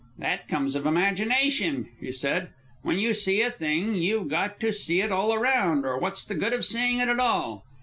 "That comes of imagination," he said. "When you see a thing, you've got to see it all around, or what's the good of seeing it at all?